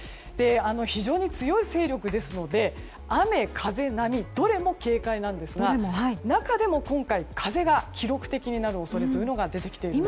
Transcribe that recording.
非常に強い勢力ですので雨、風、波どれも警戒なんですが中でも今回風が記録的になる恐れが出てきているんです。